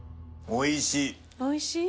おいしい。